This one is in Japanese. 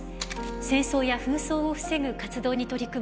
戦争や紛争を防ぐ活動に取り組むＮＰＯの代表